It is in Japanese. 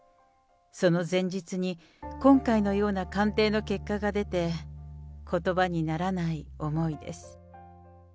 その前日に、今回のような鑑定の結果が出て、ことばにならない思いです。